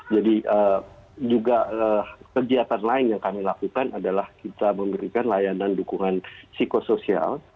jadi juga kegiatan lain yang kami lakukan adalah kita memberikan layanan dukungan psikosoial